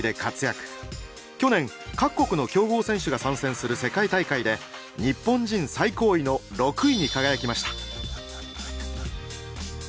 去年各国の強豪選手が参戦する世界大会で日本人最高位の６位に輝きました。